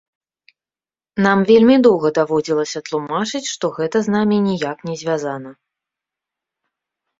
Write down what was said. Нам вельмі доўга даводзілася тлумачыць, што гэта з намі ніяк не звязана.